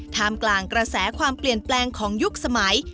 กลางกระแสความเปลี่ยนแปลงของยุคสมัย